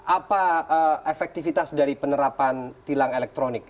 apa efektivitas dari penerapan tilang elektronik